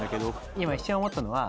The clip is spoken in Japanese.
今一瞬思ったのは。